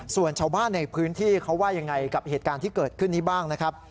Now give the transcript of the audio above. ส่วนชาวบ้านในพื้นที่เขาว่ายังไงกับเหตุการณ์ที่เกิดขึ้นนี้บ้างนะครับ